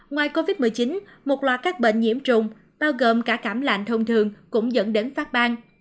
ngoài covid một mươi chín một loạt các bệnh nhiễm trùng bao gồm cả cảm lạnh thông thường cũng dẫn đến phát bang